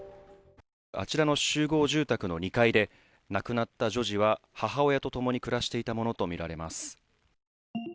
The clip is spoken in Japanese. あちらの集合住宅の２階で亡くなった女児は、母親とともに暮らしていたものとみられます。